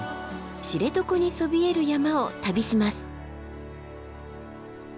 知床にそびえる山を旅します。